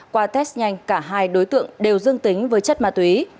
qua test nhanh cả hai đối tượng đều dương tính với chất ma túy